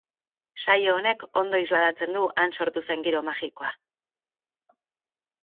Saio honek ondo isladatzen du han sortu zen giro magikoa.